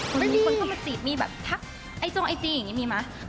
คนเข้ามาจีบมีแบบทักไอจงไอจียังงี้มีมั้ย